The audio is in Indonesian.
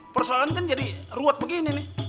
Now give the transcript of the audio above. persoalan kan jadi ruwet begini nih